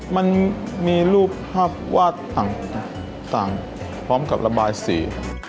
มันมีรูปภาพวาดต่างพร้อมกับระบายสี